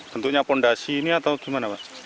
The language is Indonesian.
bentuknya fondasi ini atau gimana pak